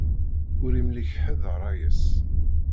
Ur imlik ḥedd ṛṛay-is.